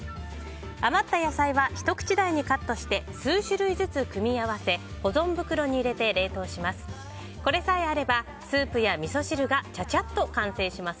余った野菜はひと口大にカットして数種類ずつ組み合わせ保存袋に入れて冷凍します。